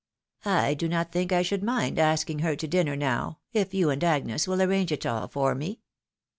" I do not think I should mind asking her to dinner now, if you and Agnes will arrange it all for me."